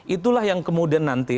itulah yang kemudian nanti